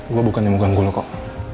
gue bukannya mau ganggu lo kok